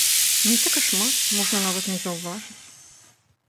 Не так і шмат, можна нават не заўважыць.